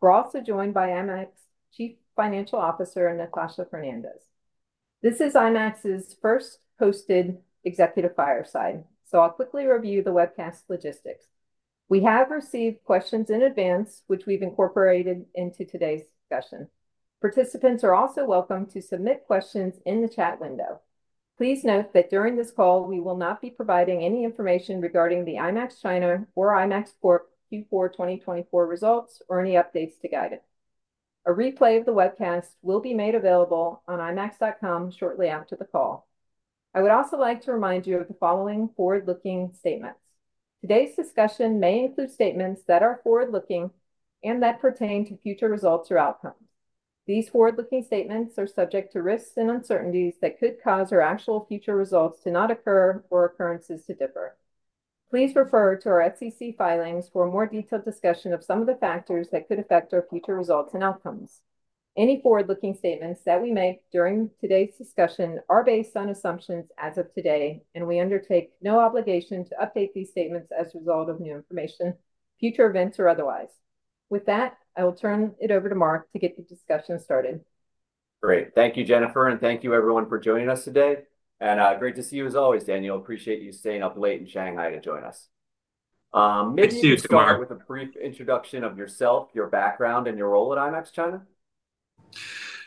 We're also joined by IMAX Chief Financial Officer Natasha Fernandes. This is IMAX's first hosted executive fireside, so I'll quickly review the webcast logistics. We have received questions in advance, which we've incorporated into today's discussion. Participants are also welcome to submit questions in the chat window. Please note that during this call, we will not be providing any information regarding the IMAX China or IMAX Corp Q4 2024 results or any updates to guidance. A replay of the webcast will be made available on IMAX.com shortly after the call. I would also like to remind you of the following forward-looking statements. Today's discussion may include statements that are forward-looking and that pertain to future results or outcomes. These forward-looking statements are subject to risks and uncertainties that could cause our actual future results to not occur or occurrences to differ. Please refer to our FCC filings for a more detailed discussion of some of the factors that could affect our future results and outcomes. Any forward-looking statements that we make during today's discussion are based on assumptions as of today, and we undertake no obligation to update these statements as a result of new information, future events, or otherwise. With that, I will turn it over to Mark to get the discussion started. Great. Thank you, Jennifer, and thank you, everyone, for joining us today, and great to see you as always, Daniel. Appreciate you staying up late in Shanghai to join us. Nice to see you, Tom. Start with a brief introduction of yourself, your background, and your role at IMAX China.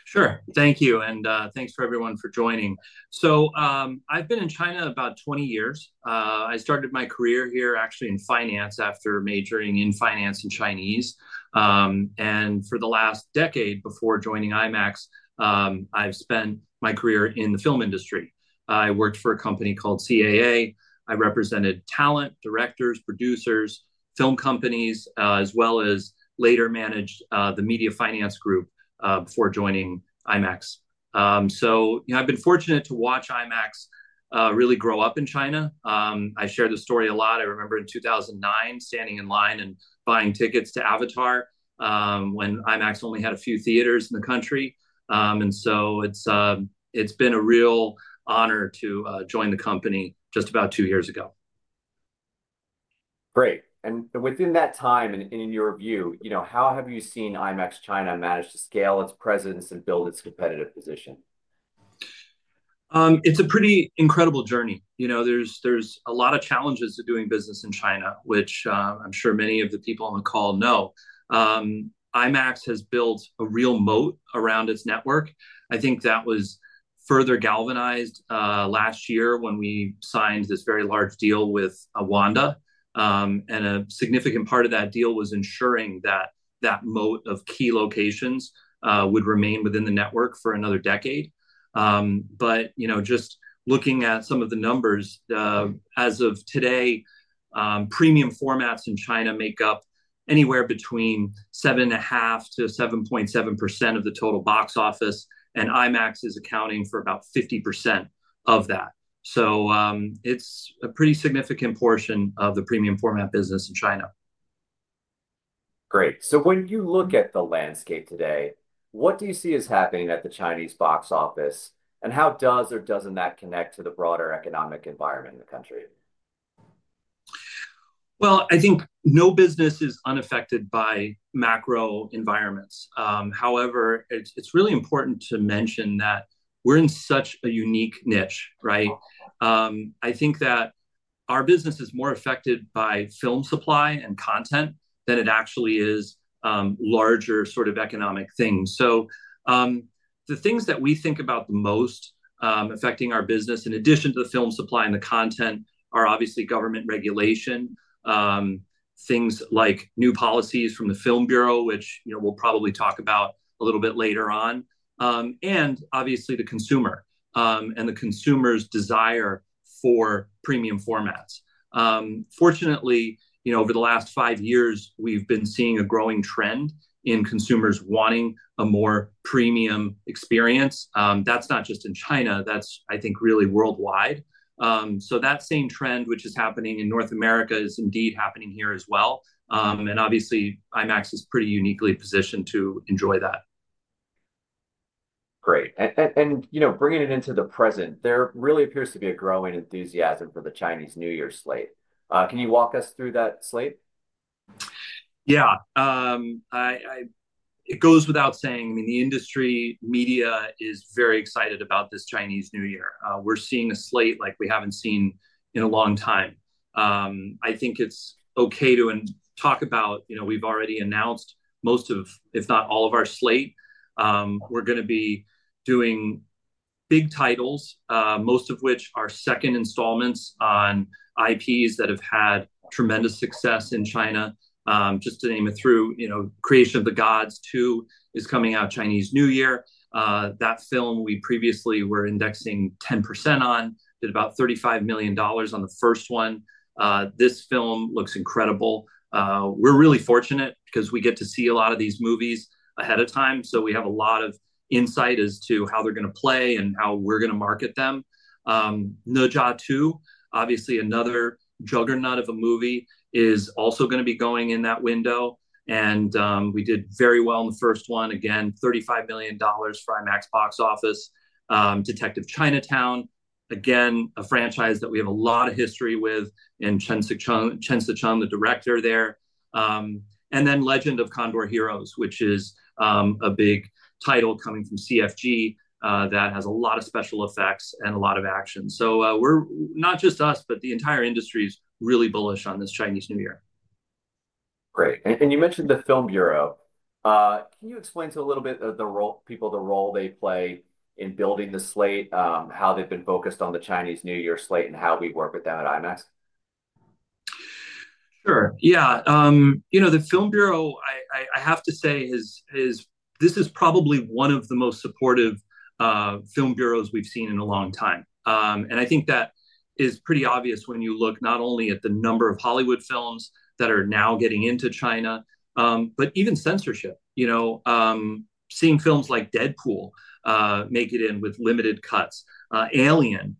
Sure. Thank you, and thanks for everyone for joining. So I've been in China about 20 years. I started my career here, actually, in finance after majoring in finance and Chinese. And for the last decade before joining IMAX, I've spent my career in the film industry. I worked for a company called CAA. I represented talent, directors, producers, film companies, as well as later managed the media finance group before joining IMAX. So I've been fortunate to watch IMAX really grow up in China. I share the story a lot. I remember in 2009 standing in line and buying tickets to Avatar when IMAX only had a few theaters in the country. And so it's been a real honor to join the company just about two years ago. Great. And within that time and in your view, how have you seen IMAX China manage to scale its presence and build its competitive position? It's a pretty incredible journey. There's a lot of challenges to doing business in China, which I'm sure many of the people on the call know. IMAX has built a real moat around its network. I think that was further galvanized last year when we signed this very large deal with Wanda. And a significant part of that deal was ensuring that that moat of key locations would remain within the network for another decade. But just looking at some of the numbers, as of today, premium formats in China make up anywhere between 7.5%-7.7% of the total box office, and IMAX is accounting for about 50% of that. So it's a pretty significant portion of the premium format business in China. Great. So when you look at the landscape today, what do you see as happening at the Chinese box office, and how does or doesn't that connect to the broader economic environment in the country? I think no business is unaffected by macro environments. However, it's really important to mention that we're in such a unique niche, right? I think that our business is more affected by film supply and content than it actually is larger sort of economic things. So the things that we think about the most affecting our business, in addition to the film supply and the content, are obviously government regulation, things like new policies from the Film Bureau, which we'll probably talk about a little bit later on, and obviously the consumer and the consumer's desire for premium formats. Fortunately, over the last five years, we've been seeing a growing trend in consumers wanting a more premium experience. That's not just in China. That's, I think, really worldwide. So that same trend, which is happening in North America, is indeed happening here as well. Obviously, IMAX is pretty uniquely positioned to enjoy that. Great. Bringing it into the present, there really appears to be a growing enthusiasm for the Chinese New Year slate. Can you walk us through that slate? Yeah. It goes without saying. I mean, the industry media is very excited about this Chinese New Year. We're seeing a slate like we haven't seen in a long time. I think it's okay to talk about. We've already announced most of, if not all of, our slate. We're going to be doing big titles, most of which are second installments on IPs that have had tremendous success in China. Just to name a few, Creation of the Gods 2 is coming out Chinese New Year. That film we previously were indexing 10% on did about $35 million on the first one. This film looks incredible. We're really fortunate because we get to see a lot of these movies ahead of time, so we have a lot of insight as to how they're going to play and how we're going to market them. Zha 2, obviously another juggernaut of a movie, is also going to be going in that window, and we did very well in the first one. Again, $35 million for IMAX box office. Detective Chinatown, again, a franchise that we have a lot of history with, and Chen Sicheng, the director there, and then Legend of Condor Heroes, which is a big title coming from CFG that has a lot of special effects and a lot of action, so we're not just us, but the entire industry is really bullish on this Chinese New Year. Great. And you mentioned the Film Bureau. Can you explain to a little bit of the people the role they play in building the slate, how they've been focused on the Chinese New Year slate and how we work with them at IMAX? Sure. Yeah. You know, the Film Bureau, I have to say, this is probably one of the most supportive film bureaus we've seen in a long time, and I think that is pretty obvious when you look not only at the number of Hollywood films that are now getting into China, but even censorship, seeing films like Deadpool make it in with limited cuts, Alien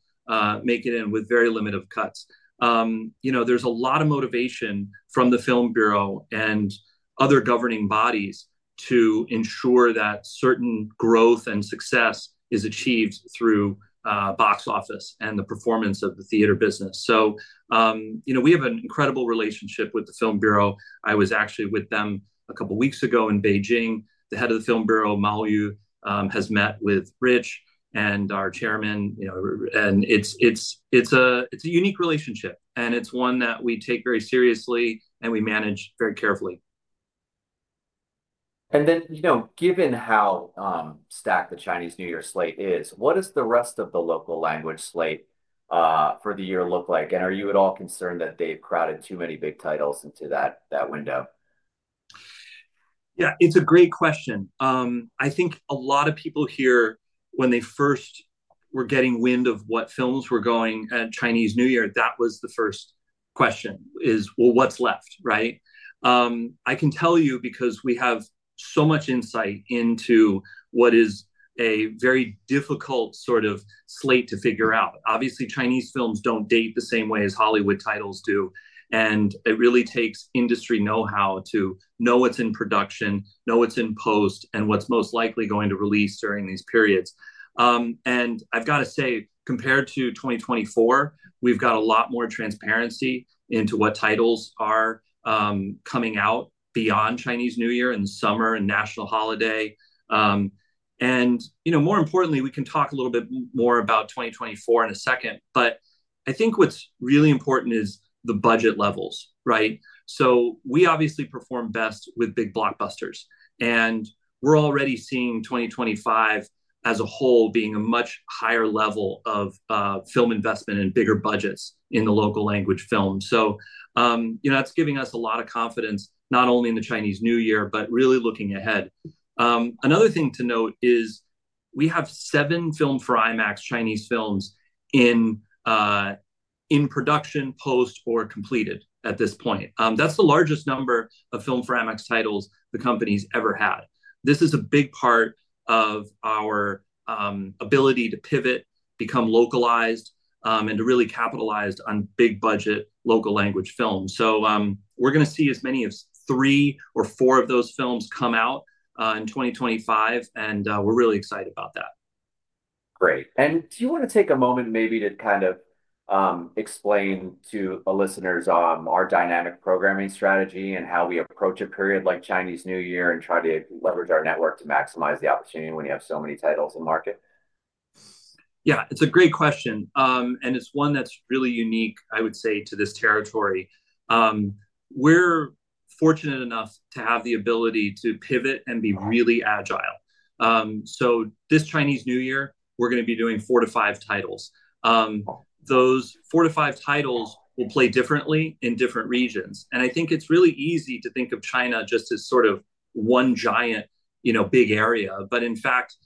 make it in with very limited cuts. There's a lot of motivation from the Film Bureau and other governing bodies to ensure that certain growth and success is achieved through box office and the performance of the theater business. So we have an incredible relationship with the Film Bureau. I was actually with them a couple of weeks ago in Beijing. The head of the Film Bureau, Mao Yu, has met with Rich and our chairman. It's a unique relationship, and it's one that we take very seriously and we manage very carefully. And then, given how stacked the Chinese New Year slate is, what does the rest of the local language slate for the year look like? And are you at all concerned that they've crowded too many big titles into that window? Yeah, it's a great question. I think a lot of people here, when they first were getting wind of what films were going at Chinese New Year, that was the first question is, well, what's left, right? I can tell you, because we have so much insight into what is a very difficult sort of slate to figure out. Obviously, Chinese films don't date the same way as Hollywood titles do. And it really takes industry know-how to know what's in production, know what's in post, and what's most likely going to release during these periods. And I've got to say, compared to 2024, we've got a lot more transparency into what titles are coming out beyond Chinese New Year in summer and national holiday. And more importantly, we can talk a little bit more about 2024 in a second, but I think what's really important is the budget levels, right? So we obviously perform best with big blockbusters. And we're already seeing 2025 as a whole being a much higher level of film investment and bigger budgets in the local language film. So that's giving us a lot of confidence, not only in the Chinese New Year, but really looking ahead. Another thing to note is we have seven Filmed for IMAX Chinese films in production, post, or completed at this point. That's the largest number of Filmed for IMAX titles the company's ever had. This is a big part of our ability to pivot, become localized, and to really capitalize on big budget local language films. So we're going to see as many as three or four of those films come out in 2025, and we're really excited about that. Great. And do you want to take a moment maybe to kind of explain to our listeners our dynamic programming strategy and how we approach a period like Chinese New Year and try to leverage our network to maximize the opportunity when you have so many titles in market? Yeah, it's a great question. And it's one that's really unique, I would say, to this territory. We're fortunate enough to have the ability to pivot and be really agile. So this Chinese New Year, we're going to be doing four to five titles. Those four to five titles will play differently in different regions. And I think it's really easy to think of China just as sort of one giant big area. But in fact,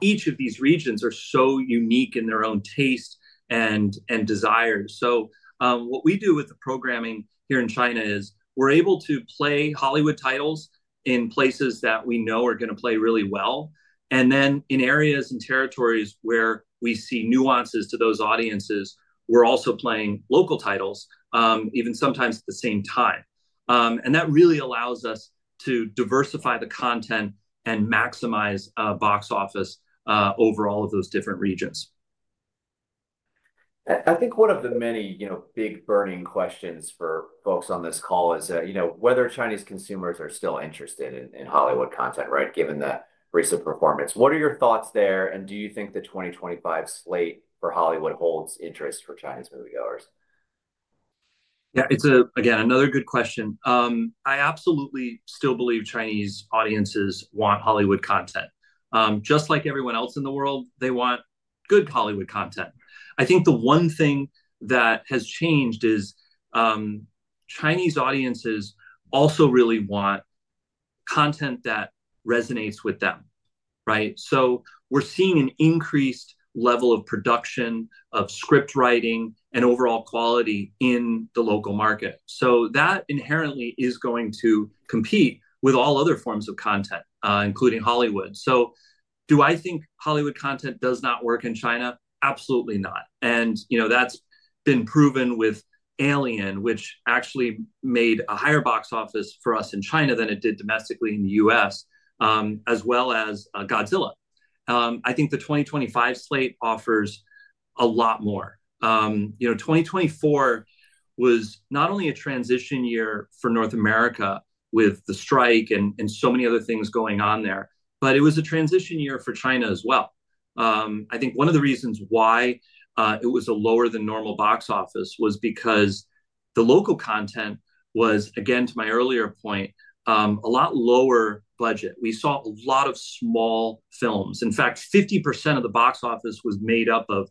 each of these regions are so unique in their own taste and desire. So what we do with the programming here in China is we're able to play Hollywood titles in places that we know are going to play really well. And then in areas and territories where we see nuances to those audiences, we're also playing local titles, even sometimes at the same time. That really allows us to diversify the content and maximize box office over all of those different regions. I think one of the many big burning questions for folks on this call is whether Chinese consumers are still interested in Hollywood content, right, given the recent performance. What are your thoughts there, and do you think the 2025 slate for Hollywood holds interest for Chinese moviegoers? Yeah, it's again another good question. I absolutely still believe Chinese audiences want Hollywood content. Just like everyone else in the world, they want good Hollywood content. I think the one thing that has changed is Chinese audiences also really want content that resonates with them, right? So we're seeing an increased level of production, of scriptwriting, and overall quality in the local market. So that inherently is going to compete with all other forms of content, including Hollywood. So do I think Hollywood content does not work in China? Absolutely not. And that's been proven with Alien, which actually made a higher box office for us in China than it did domestically in the U.S., as well as Godzilla. I think the 2025 slate offers a lot more. 2024 was not only a transition year for North America with the strike and so many other things going on there, but it was a transition year for China as well. I think one of the reasons why it was a lower than normal Box Office was because the local content was, again, to my earlier point, a lot lower budget. We saw a lot of small films. In fact, 50% of the Box Office was made up of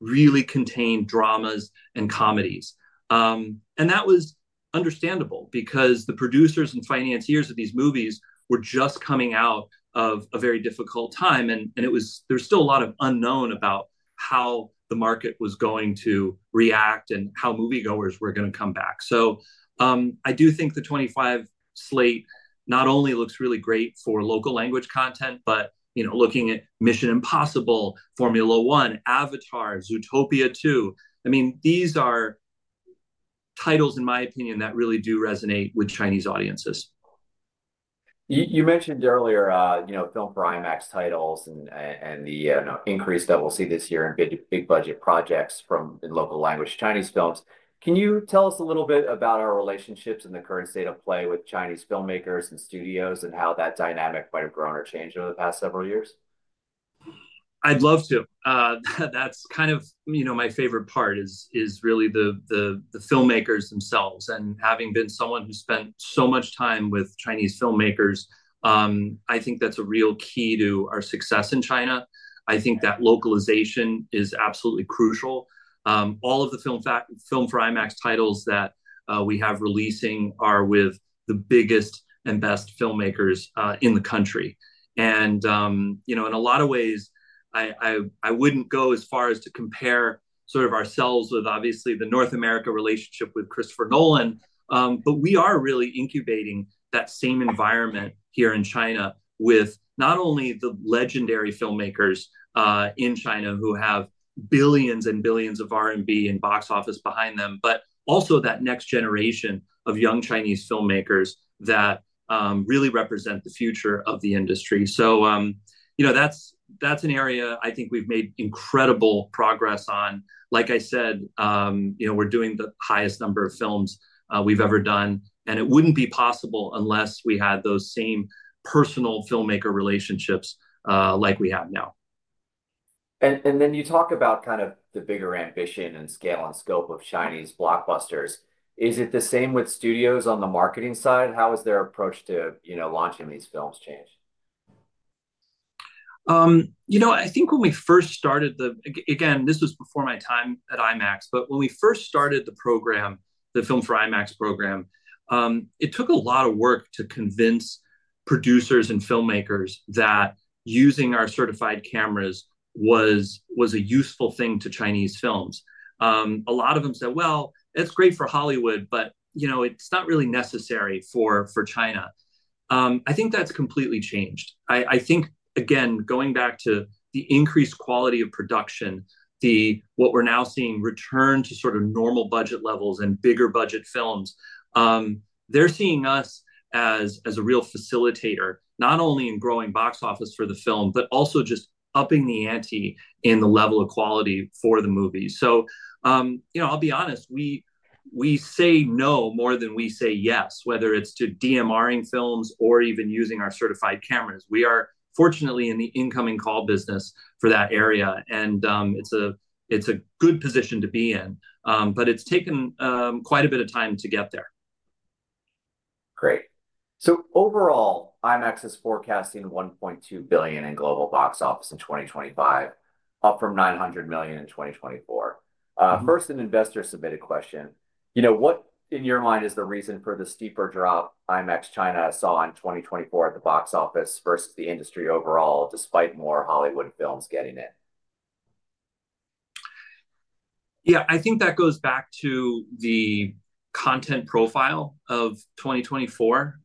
really contained dramas and comedies, and that was understandable because the producers and financiers of these movies were just coming out of a very difficult time, and there was still a lot of unknown about how the market was going to react and how moviegoers were going to come back. So I do think the 2025 slate not only looks really great for local language content, but looking at Mission: Impossible, Formula 1, Avatar, Zootopia 2. I mean, these are titles, in my opinion, that really do resonate with Chinese audiences. You mentioned earlier Filmed for IMAX titles and the increase that we'll see this year in big budget projects from local language Chinese films. Can you tell us a little bit about our relationships and the current state of play with Chinese filmmakers and studios and how that dynamic might have grown or changed over the past several years? I'd love to. That's kind of my favorite part is really the filmmakers themselves, and having been someone who spent so much time with Chinese filmmakers, I think that's a real key to our success in China. I think that localization is absolutely crucial. All of the Filmed for IMAX titles that we have releasing are with the biggest and best filmmakers in the country, and in a lot of ways, I wouldn't go as far as to compare sort of ourselves with, obviously, the North America relationship with Christopher Nolan, but we are really incubating that same environment here in China with not only the legendary filmmakers in China who have billions and billions of RMB and box office behind them, but also that next generation of young Chinese filmmakers that really represent the future of the industry, so that's an area I think we've made incredible progress on. Like I said, we're doing the highest number of films we've ever done. And it wouldn't be possible unless we had those same personal filmmaker relationships like we have now. You talk about kind of the bigger ambition and scale and scope of Chinese blockbusters. Is it the same with studios on the marketing side? How has their approach to launching these films changed? You know, I think when we first started the, again, this was before my time at IMAX, but when we first started the program, the Filmed for IMAX program, it took a lot of work to convince producers and filmmakers that using our certified cameras was a useful thing to Chinese films. A lot of them said, well, that's great for Hollywood, but it's not really necessary for China. I think that's completely changed. I think, again, going back to the increased quality of production, what we're now seeing return to sort of normal budget levels and bigger budget films, they're seeing us as a real facilitator, not only in growing box office for the film, but also just upping the ante in the level of quality for the movies. So I'll be honest, we say no more than we say yes, whether it's to DMRing films or even using our certified cameras. We are fortunately in the incoming call business for that area. And it's a good position to be in, but it's taken quite a bit of time to get there. Great. So overall, IMAX is forecasting $1.2 billion in global box office in 2025, up from $900 million in 2024. First, an investor submitted a question. What, in your mind, is the reason for the steeper drop IMAX China saw in 2024 at the box office versus the industry overall, despite more Hollywood films getting it? Yeah, I think that goes back to the content profile of 2024.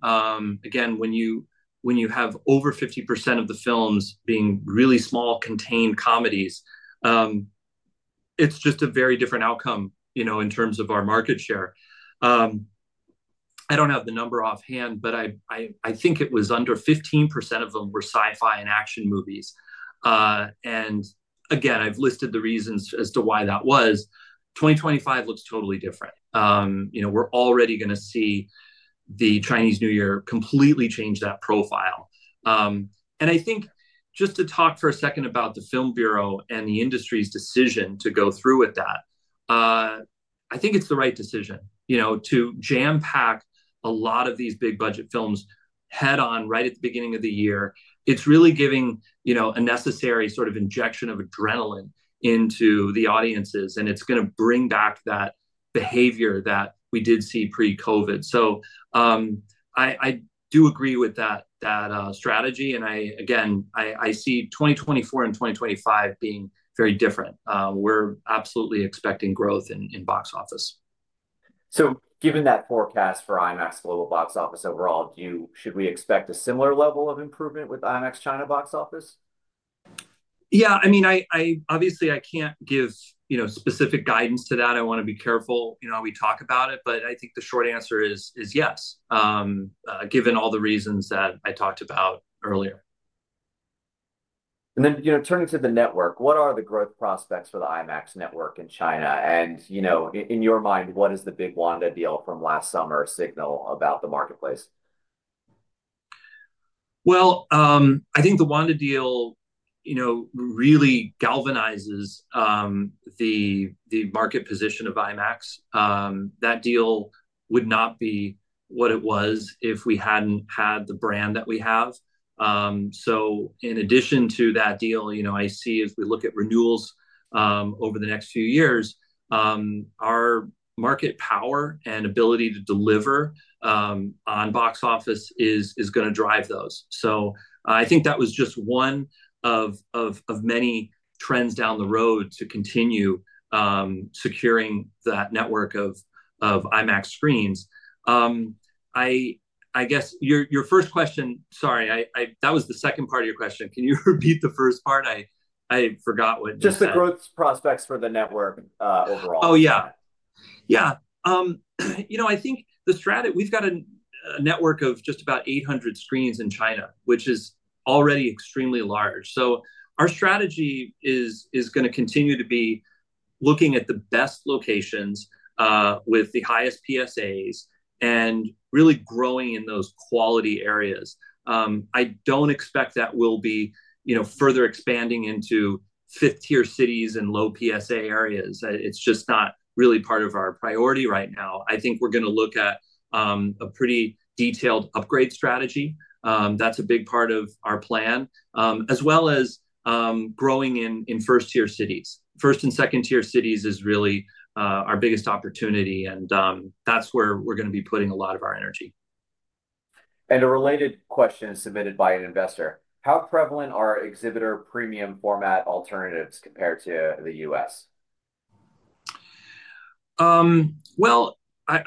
Again, when you have over 50% of the films being really small, contained comedies, it's just a very different outcome in terms of our market share. I don't have the number offhand, but I think it was under 15% of them were sci-fi and action movies. And again, I've listed the reasons as to why that was. 2025 looks totally different. We're already going to see the Chinese New Year completely change that profile. And I think just to talk for a second about the Film Bureau and the industry's decision to go through with that, I think it's the right decision to jam-pack a lot of these big budget films head-on right at the beginning of the year. It's really giving a necessary sort of injection of adrenaline into the audiences. And it's going to bring back that behavior that we did see pre-COVID. So I do agree with that strategy. And again, I see 2024 and 2025 being very different. We're absolutely expecting growth in box office. So given that forecast for IMAX global box office overall, should we expect a similar level of improvement with IMAX China box office? Yeah, I mean, obviously, I can't give specific guidance to that. I want to be careful how we talk about it. But I think the short answer is yes, given all the reasons that I talked about earlier. Then turning to the network, what are the growth prospects for the IMAX network in China? In your mind, what is the big Wanda deal from last summer signal about the marketplace? I think the Wanda deal really galvanizes the market position of IMAX. That deal would not be what it was if we hadn't had the brand that we have. So in addition to that deal, I see as we look at renewals over the next few years, our market power and ability to deliver on box office is going to drive those. So I think that was just one of many trends down the road to continue securing that network of IMAX screens. I guess your first question, sorry, that was the second part of your question. Can you repeat the first part? I forgot what you said. Just the growth prospects for the network overall. Oh, yeah. Yeah. You know, I think we've got a network of just about 800 screens in China, which is already extremely large. So our strategy is going to continue to be looking at the best locations with the highest PSAs and really growing in those quality areas. I don't expect that we'll be further expanding into fifth-tier cities and low PSA areas. It's just not really part of our priority right now. I think we're going to look at a pretty detailed upgrade strategy. That's a big part of our plan, as well as growing in first-tier cities. First and second-tier cities is really our biggest opportunity, and that's where we're going to be putting a lot of our energy. A related question submitted by an investor. How prevalent are exhibitor premium format alternatives compared to the U.S.? I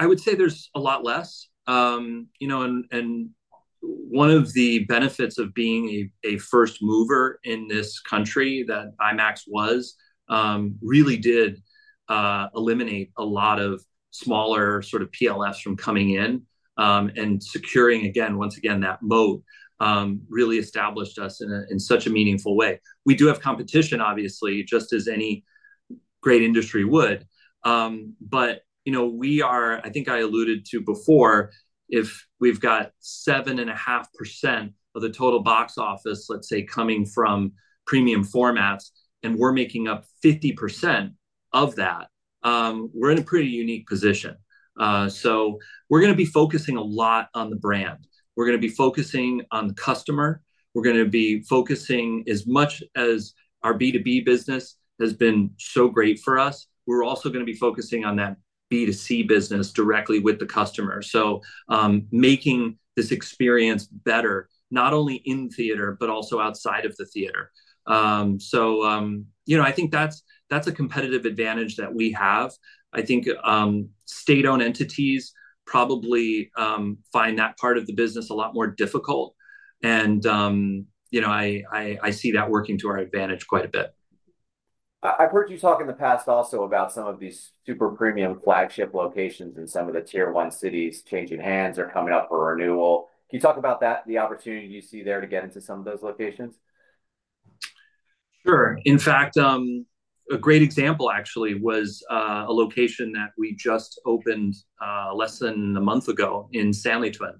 would say there's a lot less. One of the benefits of being a first mover in this country that IMAX was really did eliminate a lot of smaller sort of PLFs from coming in and securing, again, once again, that moat really established us in such a meaningful way. We do have competition, obviously, just as any great industry would. But we are, I think I alluded to before, if we've got 7.5% of the total box office, let's say, coming from premium formats, and we're making up 50% of that, we're in a pretty unique position. We're going to be focusing a lot on the brand. We're going to be focusing on the customer. We're going to be focusing as much as our B2B business has been so great for us. We're also going to be focusing on that B2C business directly with the customer. So making this experience better, not only in theater, but also outside of the theater. So I think that's a competitive advantage that we have. I think state-owned entities probably find that part of the business a lot more difficult. And I see that working to our advantage quite a bit. I've heard you talk in the past also about some of these super premium flagship locations in some of the tier-one cities changing hands or coming up for renewal. Can you talk about the opportunity you see there to get into some of those locations? Sure. In fact, a great example actually was a location that we just opened less than a month ago in Sanlitun.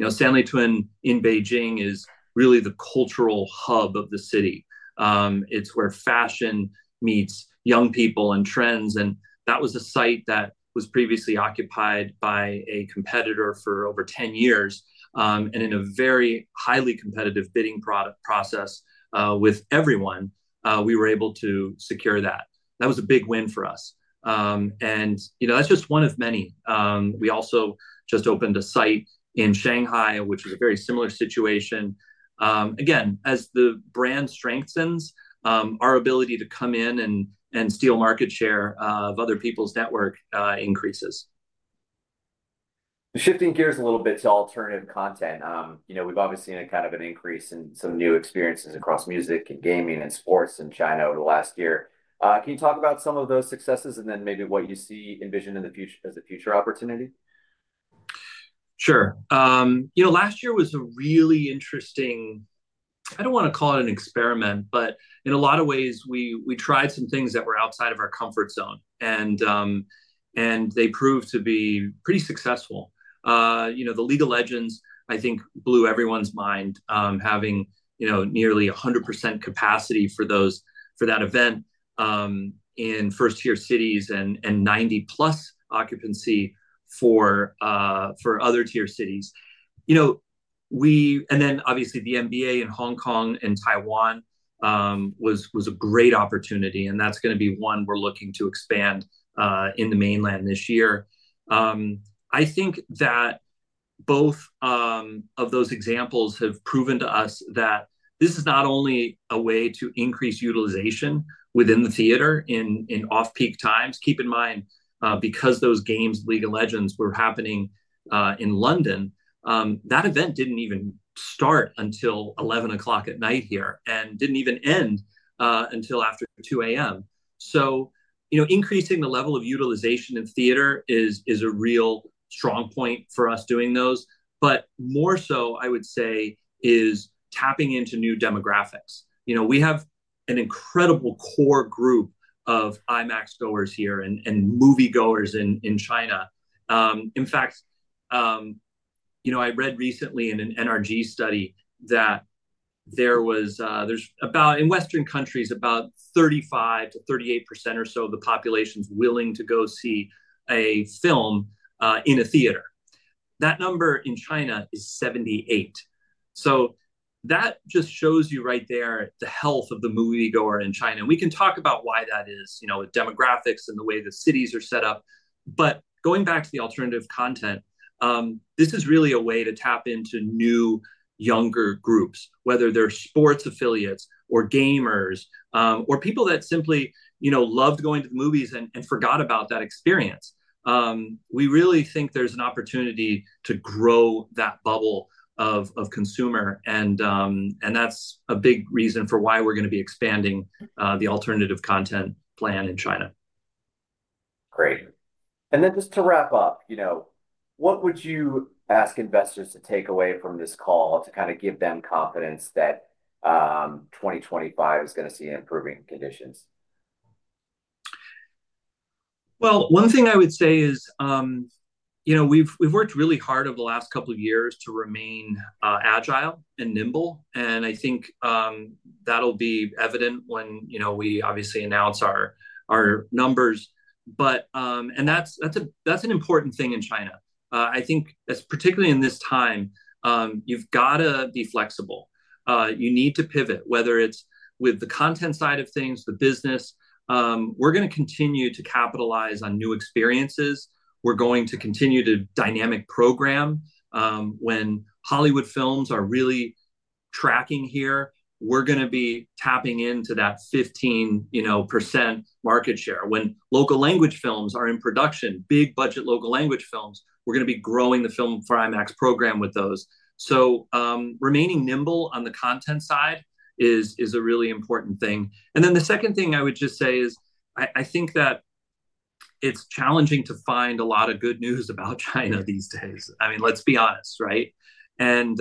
Sanlitun in Beijing is really the cultural hub of the city. It's where fashion meets young people and trends. And that was a site that was previously occupied by a competitor for over 10 years. And in a very highly competitive bidding process with everyone, we were able to secure that. That was a big win for us. And that's just one of many. We also just opened a site in Shanghai, which was a very similar situation. Again, as the brand strengthens, our ability to come in and steal market share of other people's network increases. Shifting gears a little bit to alternative content. We've obviously seen kind of an increase in some new experiences across music and gaming and sports in China over the last year. Can you talk about some of those successes and then maybe what you see envisioned as a future opportunity? Sure. Last year was a really interesting, I don't want to call it an experiment, but in a lot of ways, we tried some things that were outside of our comfort zone, and they proved to be pretty successful. The League of Legends, I think, blew everyone's mind having nearly 100% capacity for that event in first-tier cities and 90-plus occupancy for other-tier cities, and then, obviously, the NBA in Hong Kong and Taiwan was a great opportunity, and that's going to be one we're looking to expand in the mainland this year. I think that both of those examples have proven to us that this is not only a way to increase utilization within the theater in off-peak times. Keep in mind, because those games, League of Legends, were happening in London, that event didn't even start until 11:00 P.M. here and didn't even end until after 2:00 A.M. So increasing the level of utilization in theater is a real strong point for us doing those. But more so, I would say, is tapping into new demographics. We have an incredible core group of IMAX goers here and movie goers in China. In fact, I read recently in an NRG study that there's about, in Western countries, about 35%-38% or so of the population is willing to go see a film in a theater. That number in China is 78%. So that just shows you right there the health of the moviegoer in China. And we can talk about why that is with demographics and the way the cities are set up. But going back to the alternative content, this is really a way to tap into new younger groups, whether they're sports affiliates or gamers or people that simply loved going to the movies and forgot about that experience. We really think there's an opportunity to grow that bubble of consumer. And that's a big reason for why we're going to be expanding the alternative content plan in China. Great. And then just to wrap up, what would you ask investors to take away from this call to kind of give them confidence that 2025 is going to see improving conditions? One thing I would say is we've worked really hard over the last couple of years to remain agile and nimble. I think that'll be evident when we obviously announce our numbers. That's an important thing in China. I think, particularly in this time, you've got to be flexible. You need to pivot, whether it's with the content side of things, the business. We're going to continue to capitalize on new experiences. We're going to continue to dynamic program. When Hollywood films are really tracking here, we're going to be tapping into that 15% market share. When local language films are in production, big budget local language films, we're going to be growing the Filmed for IMAX program with those. Remaining nimble on the content side is a really important thing. And then the second thing I would just say is I think that it's challenging to find a lot of good news about China these days. I mean, let's be honest, right? And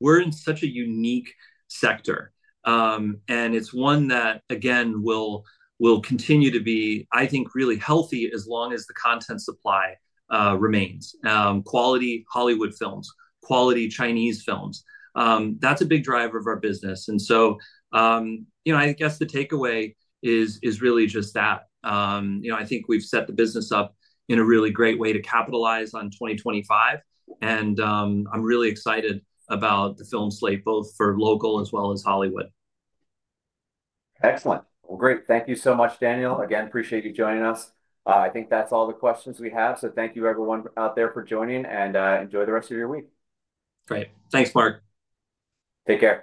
we're in such a unique sector. And it's one that, again, will continue to be, I think, really healthy as long as the content supply remains. Quality Hollywood films, quality Chinese films, that's a big driver of our business. And so I guess the takeaway is really just that. I think we've set the business up in a really great way to capitalize on 2025. And I'm really excited about the film slate, both for local as well as Hollywood. Excellent. Well, great. Thank you so much, Daniel. Again, appreciate you joining us. I think that's all the questions we have. So thank you, everyone out there, for joining. And enjoy the rest of your week. Great. Thanks, Mark. Take care.